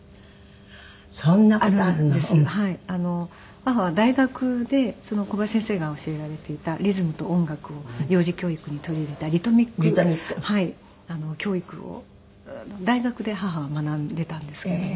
母は大学で小林先生が教えられていたリズムと音楽を幼児教育に取り入れたリトミック教育を大学で母は学んでいたんですけども。